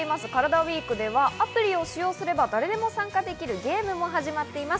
ＷＥＥＫではアプリを使用すれば誰でも参加できるゲームも始まっています。